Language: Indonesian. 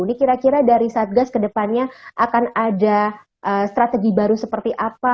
ini kira kira dari satgas kedepannya akan ada strategi baru seperti apa